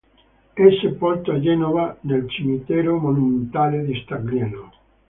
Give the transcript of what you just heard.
È sepolto a Genova nel Cimitero monumentale di Staglieno.